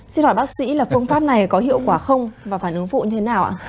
xin hỏi bác sĩ là phương pháp này có hiệu quả không và phản ứng phụ như thế nào ạ